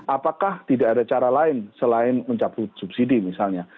apakah tidak ada cara lain selain mencabut subsidi misalnya